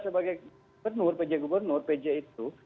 sebagai penur pj gubernur pj itu